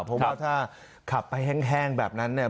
เพราะว่าถ้าขับไปแห้งแบบนั้นเนี่ย